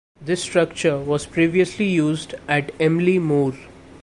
This structure was previously used at Emley Moor.